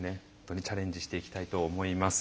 チャレンジしていきたいと思います。